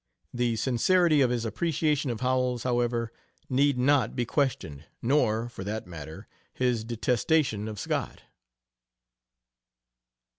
The sincerity of his appreciation of Howells, however, need not be questioned, nor, for that matter, his detestation of Scott.